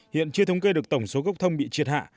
hiện chưa thống kê được tổng số gốc thông bị triệt hạ